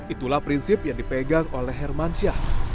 itulah prinsip yang dipegang oleh hermansyah